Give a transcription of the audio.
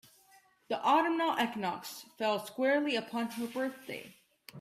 The autumnal equinox fell squarely upon her birthday.